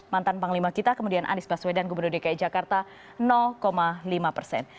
mantan panglima kita kemudian anies baswedan gubernur dki jakarta lima persen